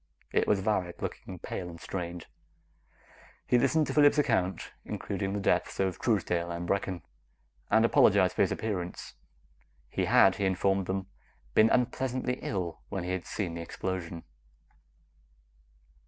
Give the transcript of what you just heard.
It was Varret, looking pale and strained. He listened to Phillips' account, including the deaths of Truesdale and Brecken, and apologized for his appearance. He had, he informed them, been unpleasantly ill when he had seen the explosion.